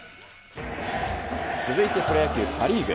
続いてプロ野球・パ・リーグ。